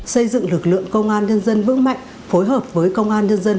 xây dựng lực lượng công an nhân dân bước mạnh phối hợp với các lực lượng công an nhân dân việt nam